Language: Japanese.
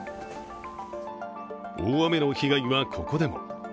大雨の被害はここでも。